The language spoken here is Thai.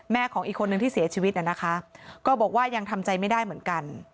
ของอีกคนนึงที่เสียชีวิตน่ะนะคะก็บอกว่ายังทำใจไม่ได้เหมือนกัน